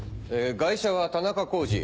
ガイシャは田中浩二